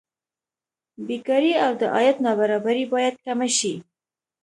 بېکاري او د عاید نابرابري باید کمه شي.